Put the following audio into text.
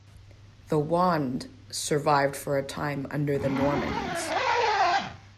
The 'wand' survived for a time under the Normans.